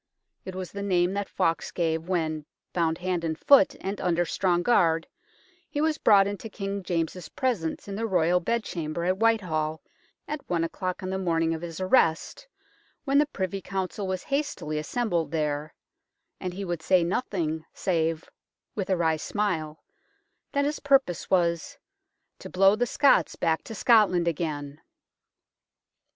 It was the name that Fawkes gave when, bound hand and foot and under strong guard, he was brought into King James's presence in the royal bedchamber at Whitehall at one o'clock on the morning of his arrest, when the Privy Council was hastily assembled there, and he would say nothing save with a wry smile that his purpose was " to blow the Scots back to Scotland again